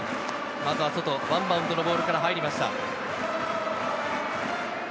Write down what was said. まずは外、ワンバウンドのボールから入りました。